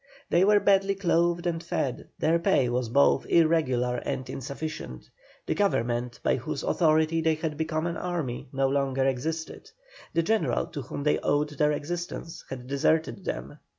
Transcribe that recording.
They were badly clothed and fed, their pay was both irregular and insufficient; the Government by whose authority they had become an army no longer existed; the general to whom they owed their existence had deserted them.